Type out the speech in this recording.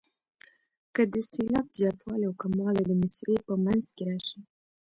که د سېلاب زیاتوالی او کموالی د مصرع په منځ کې راشي.